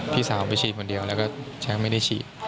พี่สาวไปฉีดคนเดียวแล้วก็ช้างไม่ได้ฉีด